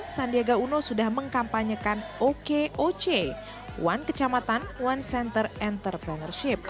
sandiaga uno sudah mengkampanyekan okoc one kecamatan one center entrepreneurship